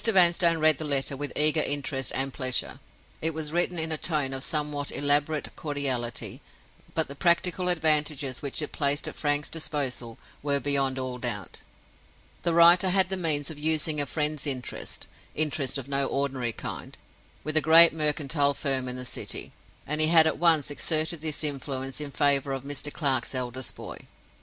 Vanstone read the letter with eager interest and pleasure. It was written in a tone of somewhat elaborate cordiality; but the practical advantages which it placed at Frank's disposal were beyond all doubt. The writer had the means of using a friend's interest—interest of no ordinary kind—with a great Mercantile Firm in the City; and he had at once exerted this influence in favor of Mr. Clare's eldest boy.